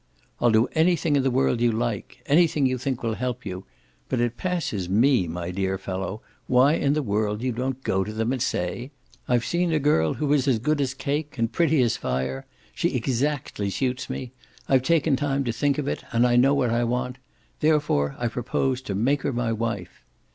"I'll do anything in the world you like anything you think will help you but it passes me, my dear fellow, why in the world you don't go to them and say: 'I've seen a girl who is as good as cake and pretty as fire, she exactly suits me, I've taken time to think of it and I know what I want; therefore I propose to make her my wife.